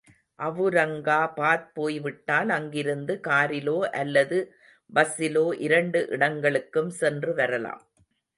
அவுரங்காபாத் போய்விட்டால் அங்கிருந்து காரிலோ, அல்லது பஸ்ஸிலோ இரண்டு இடங்களுக்கும் சென்று வரலாம்.